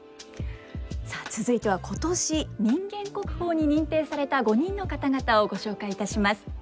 さあ続いては今年人間国宝に認定された５人の方々をご紹介いたします。